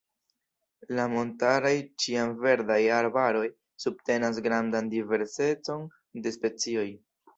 La montaraj ĉiamverdaj arbaroj subtenas grandan diversecon de specioj.